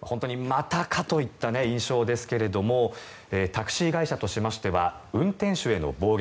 本当に、またかといった印象ですけれどもタクシー会社としましては運転手への暴言